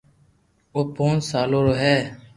او پونچ سالو رو ھي